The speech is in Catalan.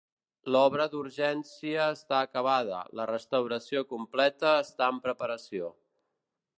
L'obra d'urgència està acabada, la restauració completa està en preparació.